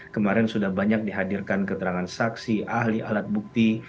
kemarin sudah banyak dihadirkan keterangan saksi ahli alat bukti